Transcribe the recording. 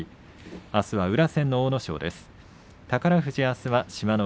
あすは宇良戦の阿武咲です。